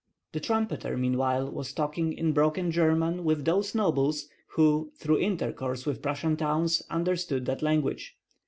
The trumpeter meanwhile was talking in broken German with those nobles who, through intercourse with Prussian towns, understood that language.